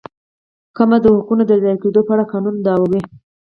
کمه د حقونو د ضایع کېدو په اړه قانوني دعوه.